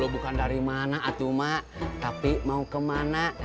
bukan dari mana atuh ma tapi mau kemana